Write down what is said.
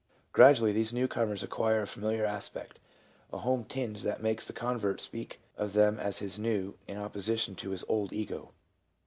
Gradually these new comers acquire a familiar aspect, a home tinge that makes the convert speak of them as his neic, in opposition to his old ego.